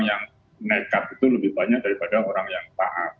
yang nekat itu lebih banyak daripada orang yang taat